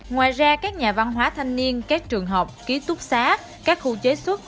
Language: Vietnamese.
ngoài ra các nhà văn hóa thanh niên các trường học ký túc xá các khu chế xuất